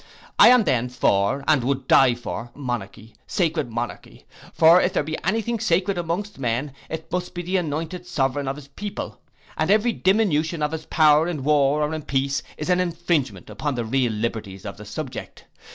I am then for, and would die for, monarchy, sacred monarchy; for if there be any thing sacred amongst men, it must be the anointed sovereign of his people, and every diminution of his power in war, or in peace, is an infringement upon the real liberties of the subject.